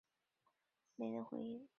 十分意外却没人回应